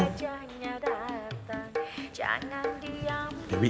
jangan diam diam begitu